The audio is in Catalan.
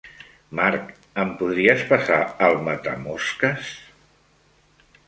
Marc, em podries passar el matamosques?